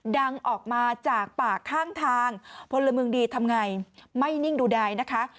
ดังออกมาจากป่าข้างทางพลเมืองดีทำไงไม่นิ่งดูดายนะคะ